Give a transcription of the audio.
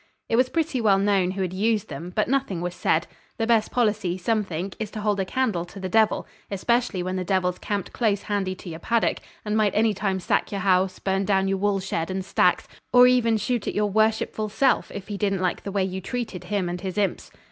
It was pretty well known who had used them, but nothing was said; the best policy, some think, is to hold a candle to the devil, especially when the devil's camped close handy to your paddock, and might any time sack your house, burn down your woolshed and stacks, or even shoot at your worshipful self if he didn't like the way you treated him and his imps.